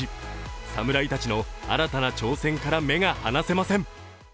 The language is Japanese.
侍たちの新たな挑戦から目が離せません！